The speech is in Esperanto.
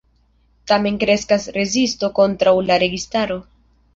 Tamen kreskas rezisto kontraŭ la registaro.